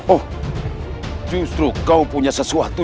oh justru kau punya sesuatu